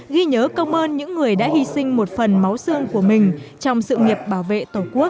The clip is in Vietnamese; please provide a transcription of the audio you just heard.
ghi nhớ công ơn những người đã hy sinh một phần máu xương của mình trong sự nghiệp bảo vệ tổ quốc